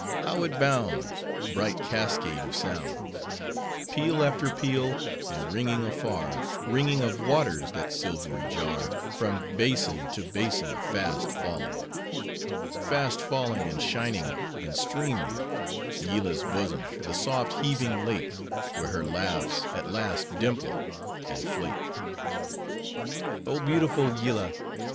How it bounds! Bright cascade of sounds! Peal after peal, and ringing afar,— Ringing of waters, that silvery jar, From basin to basin fast falling! Fast falling, and shining, and streaming:— Yillah's bosom, the soft, heaving lake, Where her laughs at last dimple, and flake! Oh beautiful Yillah!